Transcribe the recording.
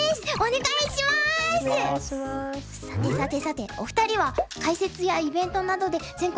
さてさてさてお二人は解説やイベントなどで全国